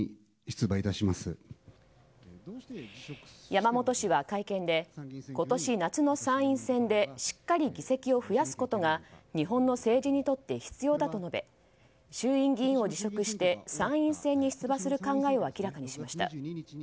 山本氏は会見で今年夏の参院選でしっかり議席を増やすことが日本の政治にとって必要だと述べ衆院議員を辞職して参院選に出馬する考えを明らかにしました。